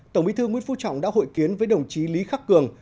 tổng bí thư nguyễn phú trọng đã hội kiến với đồng chí lý khắc cường